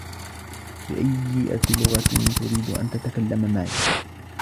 بأيّة لغة تريد أن تتكلم معي ؟